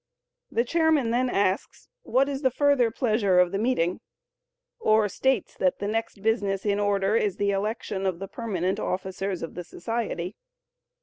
The chairman then asks, "What is the further pleasure of the meeting?" or states that the next business in order is the election of the permanent officers of the society.